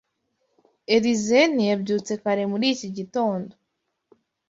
Elyse ntiyabyutse kare muri iki gitondo.